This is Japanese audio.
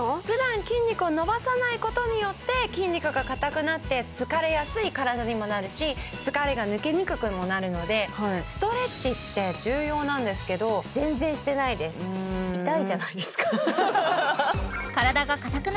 ふだん筋肉を伸ばさないことによって筋肉が硬くなって疲れやすい体にもなるし疲れが抜けにくくもなるのでストレッチって重要なんですけど全然してないですなど